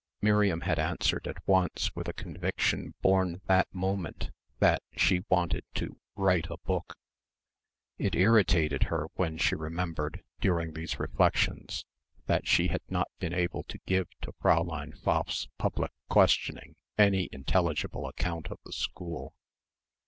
Miriam had answered at once with a conviction born that moment that she wanted to "write a book." It irritated her when she remembered during these reflections that she had not been able to give to Fräulein Pfaff's public questioning any intelligible account of the school.